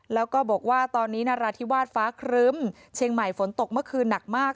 แล้วก็บอกว่าตอนนี้นราธิวาสฟ้าครึ้มเชียงใหม่ฝนตกเมื่อคืนหนักมาก